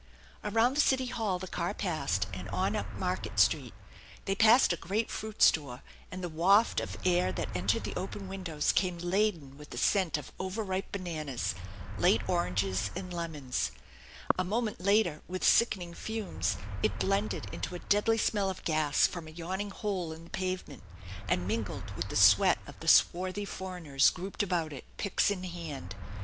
Around the city hall the car passed, and on up Market Street. They passed a great fruit store, and the waft of air that entered the open windows came laden with the scent of over ripe bananas, late oranges and lemons; a moment later with sickening fumes it blended into a deadly smell of gas from a yawning hole in the pavement, and mingled with the sweat of the swarthy foreigners grouped about it, picks in hand.